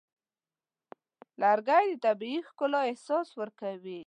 لرګی د طبیعي ښکلا احساس ورکوي.